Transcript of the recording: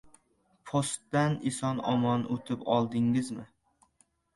- Postdan eson-omon oʻtib oldingizmi?